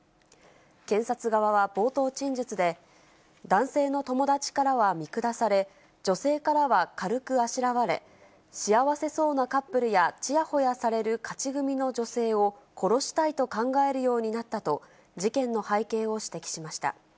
検察側は冒頭陳述で、男性の友達からは見下され、女性からは軽くあしらわれ、幸せそうなカップルやちやほやされる勝ち組の女性を殺したいと考えるようになったと、事件の背景を指摘しました。